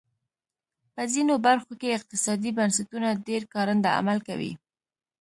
په ځینو برخو کې اقتصادي بنسټونه ډېر کارنده عمل کوي.